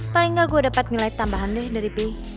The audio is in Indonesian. paling nggak gue dapat nilai tambahan deh dari p